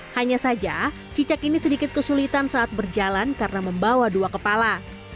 hanya saja cicak ini sedikit kesulitan saat berjalan karena membawa dua kepala